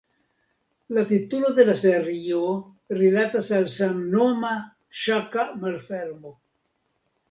La titolo de la serio rilatas al samnoma ŝaka malfermo.